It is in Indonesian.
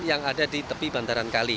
yang ada di tepi bantaran kali